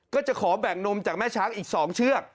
ก็จะขอแบ่งนมจากแม่ช้างอีก๒เชือก